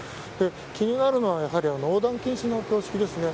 気になるのはやはり横断禁止の標識ですね。